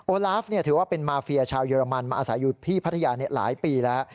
ลาฟถือว่าเป็นมาเฟียชาวเยอรมันมาอาศัยอยู่ที่พัทยาหลายปีแล้ว